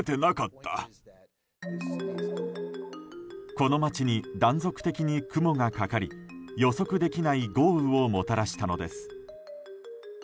この街に断続的に雲がかかり予測できない豪雨をもたらしたのです。